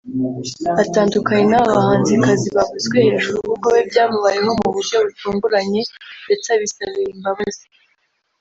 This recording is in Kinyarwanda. atandukanye n’aba bahanzikazi bavuzwe hejuru kuko we byamubayeho mu buryo butunguranye ndetse abisabira imbabazi